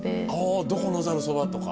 あどこのざるそばとか。